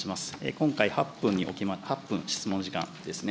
今回、８分、質問時間ですね。